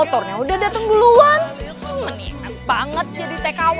keluan meningat banget jadi tkw